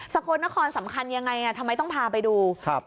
กลนครสำคัญยังไงอ่ะทำไมต้องพาไปดูครับ